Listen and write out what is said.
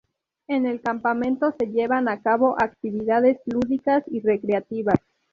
En el campamento se llevan a cabo actividades lúdicas y recreativas.